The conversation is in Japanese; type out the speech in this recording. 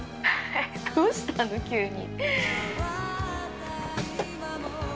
どうしたの、急に。